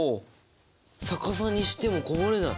逆さにしてもこぼれない！